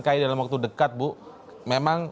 ki dalam waktu dekat bu memang